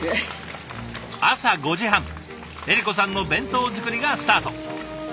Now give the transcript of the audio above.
朝５時半恵利子さんの弁当作りがスタート。